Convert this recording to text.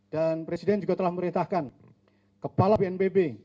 dan presiden juga telah memerintahkan kepala bnpb